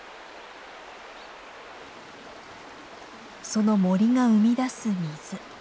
その森が生み出す水。